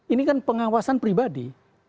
ini kan pengawasan pribadi